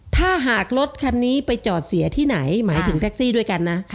ถ้าหากรถคันนี้ไปจอดเสียที่ไหนหมายถึงแท็กซี่ด้วยกันนะ